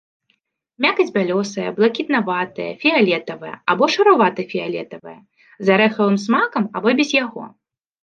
Мякаць бялёсая, блакітнаватая, фіялетавая або шаравата-фіялетавая, з арэхавым смакам або без яго.